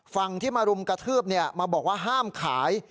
ฝั่งที่มารุมกระทืบมาบอกว่าห้ามขาย